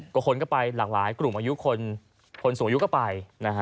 ก็คนก็ไปหลากหลายกลุ่มอายุคนสูงอายุก็ไปนะฮะ